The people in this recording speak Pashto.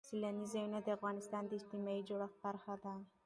سیلانی ځایونه د افغانستان د اجتماعي جوړښت برخه ده.